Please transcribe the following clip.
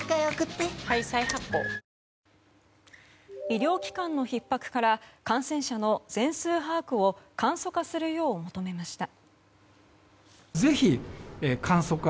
医療機関のひっ迫から感染者の全数把握を簡素化するよう求めました。